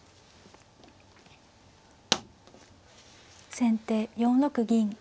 先手４六銀。